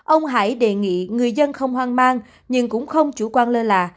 ông hải đề nghị người dân không hoang mang nhưng cũng không chủ quan lơ là